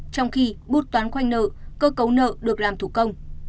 trong khi bút toán khoanh nợ cơ cấu nợ được làm thủ công